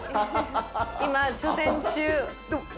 今、挑戦中！